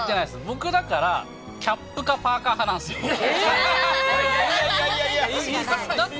僕、だから、キャップかパーカー派なんですよ。いやいや。